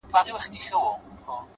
• د پیر زیارت ته خیراتونه راځي ,